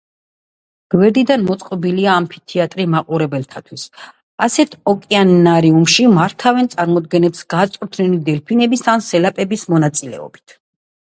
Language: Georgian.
გვერდიდან მოწყობილია ამფითეატრი მაყურებელთათვის: ასეთ ოკეანარიუმში მართავენ წარმოდგენებს გაწვრთნილი დელფინების ან სელაპების მონაწილეობით.